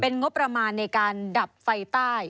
งบประมาณในการดับไฟใต้